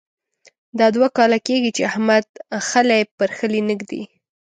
دا دوه کاله کېږې چې احمد خلی پر خلي نه اېږدي.